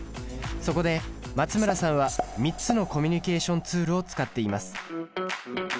そこで松村さんは３つのコミュニケーションツールを使っています。